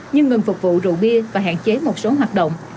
nhưng ngừng phục vụ rượu bia và hạn chế một số hoạt động